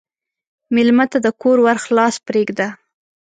مېلمه ته د کور ور خلاص پرېږده.